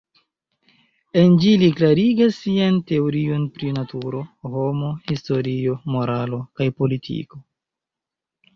En ĝi li klarigas sian teorion pri naturo, homo, historio, moralo kaj politiko.